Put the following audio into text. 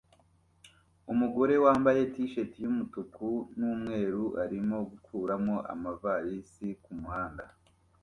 Umugore wambaye t-shirt yumutuku numweru arimo gukuramo amavalisi kumuhanda